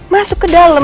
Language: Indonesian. masuk ke dalam